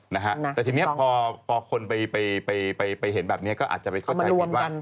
แต่ทีนี้พอคนไปไปเห็นแบบนี้ก็อาจจะไปเข้าใจผิดว่า